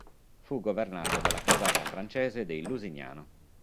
Fu governato dalla casata francese dei Lusignano.